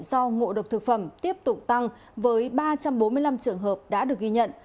do ngộ độc thực phẩm tiếp tục tăng với ba trăm bốn mươi năm trường hợp đã được ghi nhận